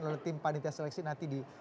oleh tim panitia seleksi nanti di